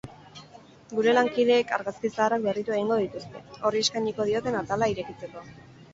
Gure lankideek argazki zaharrak berritu egingo dituzte, horri eskainiko dioten atala irekitzeko.